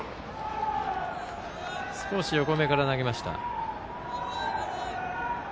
少し横めから投げました。